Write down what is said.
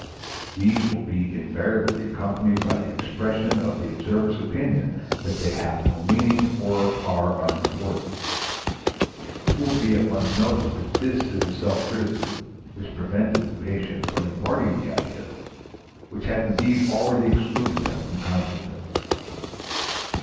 These will be invariably accompanied by the expression of the observer's opinion that they have no meaning or are unimportant. It will be at once noticed that it is this self criticism which prevented the patient from imparting the ideas, which had indeed already excluded them from consciousness.